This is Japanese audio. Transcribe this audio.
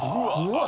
うわ！